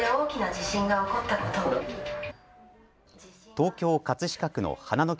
東京葛飾区の花の木